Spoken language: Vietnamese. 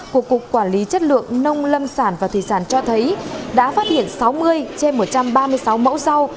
của cục quản lý chất lượng nông lâm sản và thủy sản cho thấy đã phát hiện sáu mươi trên một trăm ba mươi sáu mẫu rau